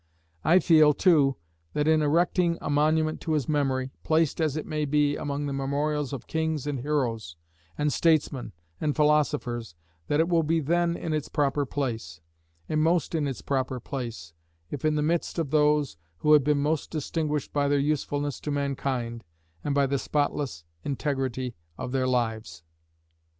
I feel, too, that in erecting a monument to his memory, placed, as it may be, among the memorials of kings, and heroes, and statesmen, and philosophers, that it will be then in its proper place; and most in its proper place, if in the midst of those who have been most distinguished by their usefulness to mankind, and by the spotless integrity of their lives.